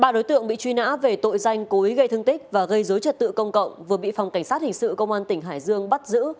ba đối tượng bị truy nã về tội danh cố ý gây thương tích và gây dối trật tự công cộng vừa bị phòng cảnh sát hình sự công an tỉnh hải dương bắt giữ